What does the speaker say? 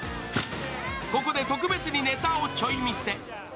ここで、特別にネタをちょい見せ。